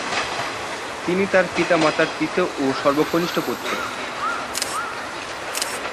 তিনি তার পিতা মাতার তৃতীয় ও সর্বকনিষ্ঠ পুত্র।